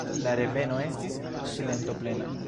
La reveno estis silentoplena.